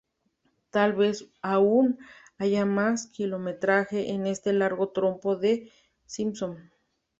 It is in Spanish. Tal vez aún haya más kilometraje en este largo tropo de los Simpson".